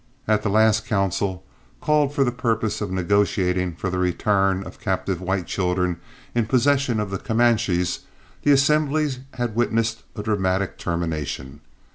At the last council, called for the purpose of negotiating for the return of captive white children in possession of the Comanches, the assembly had witnessed a dramatic termination.